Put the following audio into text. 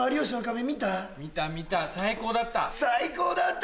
見た見た最高だった。